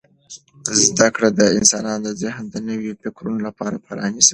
زده کړه د انسان ذهن د نویو فکرونو لپاره پرانیزي.